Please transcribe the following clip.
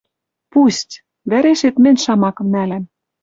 Пусть! Вӓрешет мӹнь шамакым нӓлӓм